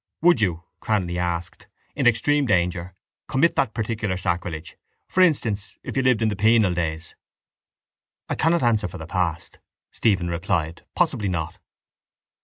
—Would you, Cranly asked, in extreme danger, commit that particular sacrilege? For instance, if you lived in the penal days? —I cannot answer for the past, Stephen replied. Possibly not.